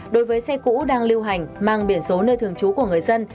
đối với xe cũ đang lưu hành mang biển số nơi thường trú của người dân